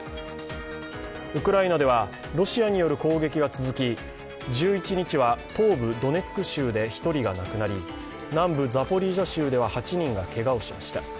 ウクライナではロシアによる攻撃が続き、１１日は東部ドネツク州で１人が亡くなり南部ザポリージャ州では８人がけがをしました。